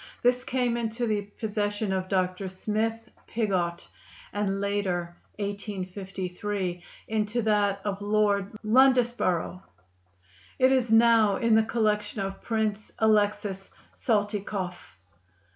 This came into the possession of Mr. Smythe Piggott and later (1853) into that of Lord Londesborough; it is now in the collection of Prince Alexis Soltykoff.